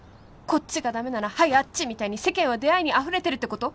こっちがダメならはいあっちみたいに世間は出会いにあふれてるってこと？